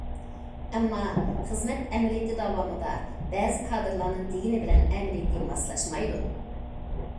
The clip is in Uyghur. ئەمما، خىزمەت ئەمەلىيىتى داۋامىدا بەزى كادىرلارنىڭ دېگىنى بىلەن ئەمەلىيىتى ماسلاشمايدۇ.